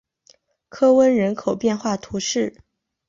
科翁人口变化图示